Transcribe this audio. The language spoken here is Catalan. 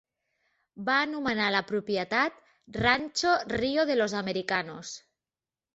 Va anomenar la propietat "Rancho Rio de los Americanos".